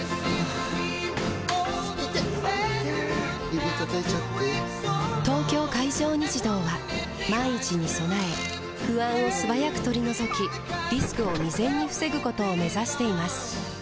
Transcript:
指たたいちゃって・・・「東京海上日動」は万一に備え不安を素早く取り除きリスクを未然に防ぐことを目指しています